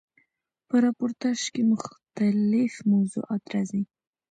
په راپورتاژ کښي مختلیف موضوعات راځي.